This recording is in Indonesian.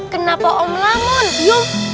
kenapa om lamun yuk